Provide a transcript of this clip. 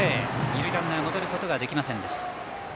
二塁ランナー戻ることができませんでした。